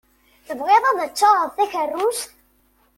Tebɣiḍ ad d-taɣeḍ takeṛṛust.